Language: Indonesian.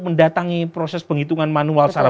mendatangi proses penghitungan manual secara